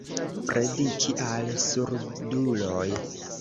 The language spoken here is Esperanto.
Prediki al surduloj.